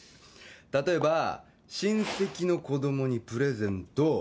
例えば親戚の子供にプレゼント